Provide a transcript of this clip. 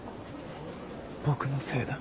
僕のせいだ。